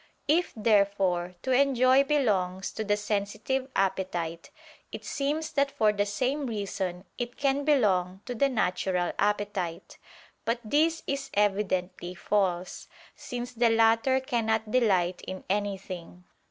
If, therefore, to enjoy belongs to the sensitive appetite, it seems that for the same reason it can belong to the natural appetite. But this is evidently false, since the latter cannot delight in anything.